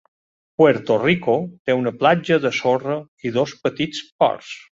Puerto Rico té una platja de sorra i dos petits ports.